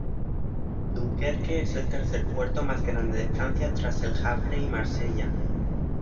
Dunkerque es el tercer puerto más grande de Francia tras El Havre y Marsella.